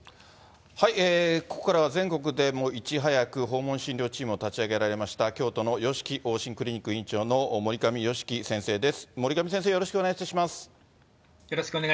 ここからは全国でもいち早く訪問診療チームを立ち上げられました京都のよしき往診クリニック院長の守上佳樹院長です。